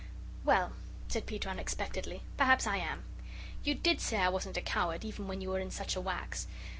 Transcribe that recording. "Well," said Peter unexpectedly, "perhaps I am. You did say I wasn't a coward, even when you were in such a wax.